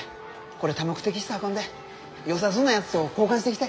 これ多目的室運んでよさそうなやづど交換してきて。